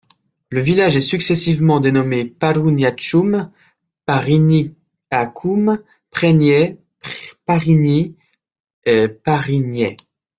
Le village est successivement dénommé Parruniachum, Parriniacum, Preigney, Parigny, Parrigney.